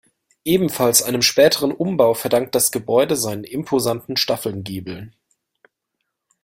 Ebenfalls einem späteren Umbau verdankt das Gebäude seinen imposanten Staffelgiebeln.